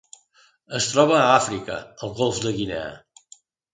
Es troba a Àfrica: el Golf de Guinea.